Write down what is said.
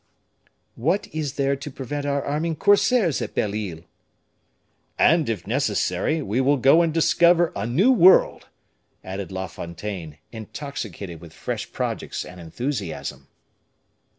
"What is there to prevent our arming corsairs at Belle Isle?" "And, if necessary, we will go and discover a new world," added La Fontaine, intoxicated with fresh projects and enthusiasm.